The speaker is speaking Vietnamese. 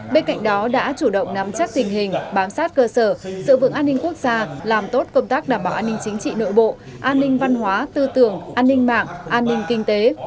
bên cạnh đó đã chủ động nắm chắc tình hình bám sát cơ sở sự vững an ninh quốc gia làm tốt công tác đảm bảo an ninh chính trị nội bộ an ninh văn hóa tư tưởng an ninh mạng an ninh kinh tế